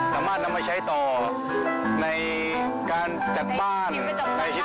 สามารถนำมาใช้ต่อในการจัดบ้านในชีวิต